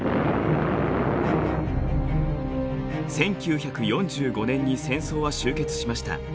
１９４５年に戦争は終結しました。